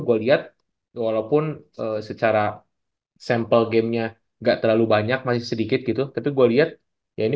gua lihat walaupun secara sampel gamenya gak terlalu banyak masih sedikit gitu tapi gua lihat ya ini